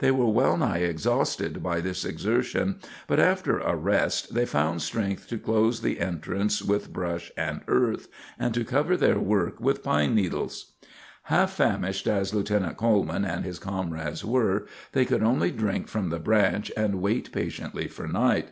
They were well nigh exhausted by this exertion; but after a rest they found strength to close the entrance with brush and earth, and to cover their work with pine needles. Half famished as Lieutenant Coleman and his comrades were, they could only drink from the branch and wait patiently for night.